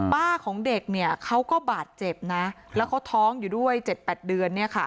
ป้าของเด็กเขาก็บาดเจ็บนะแล้วเขาท้องอยู่ด้วย๗๘เดือน